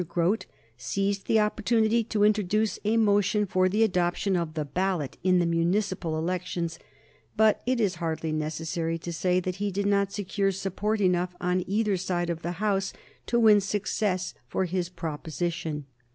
Grote seized the opportunity to introduce a motion for the adoption of the ballot in municipal elections, but it is hardly necessary to say that he did not secure support enough on either side of the House to win success for his proposition.